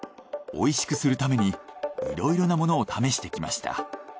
おいしくするためにいろいろなものを試してきました。